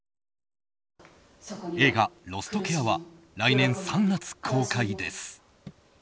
映画「ロストケア」は来年３月公開です。